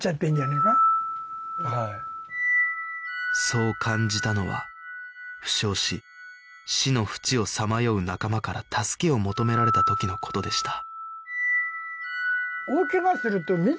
そう感じたのは負傷し死の淵をさまよう仲間から助けを求められた時の事でした